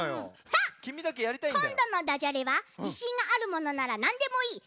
さあこんどのダジャレはじしんがあるものならなんでもいい。